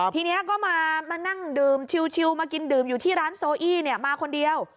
ทีนี้ก็มานั่งดื่มชิวมากินดื่มอยู่ที่ร้านโซอี้มาคนเดียว